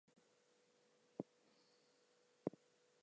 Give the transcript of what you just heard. I figure it’s worth the couple extra minutes’ drive to support them.